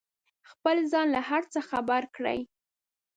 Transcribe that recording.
خپل ځان له هر څه خبر کړئ.